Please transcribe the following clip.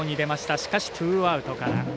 しかし、ツーアウトから。